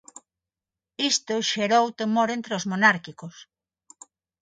Isto xerou temor entre os monárquicos.